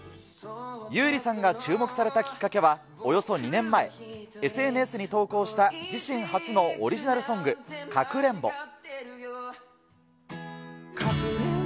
優里さんが注目されたきっかけは、およそ２年前、ＳＮＳに投稿した自身初のオリジナルソング、かくれんぼ。